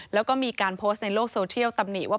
แล้วก็มีการโพสต์ในโลกโซเทียลตำหนิว่า